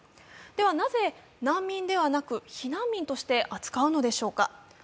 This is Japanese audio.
ではなぜ難民ではなく避難民として扱うのでしょうか。